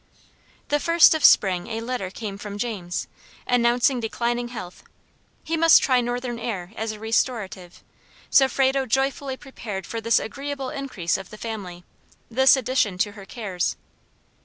The first of spring a letter came from James, announcing declining health. He must try northern air as a restorative; so Frado joyfully prepared for this agreeable increase of the family, this addition to her cares.